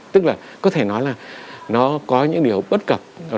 tức là có thể nói là nó có những điều bất cập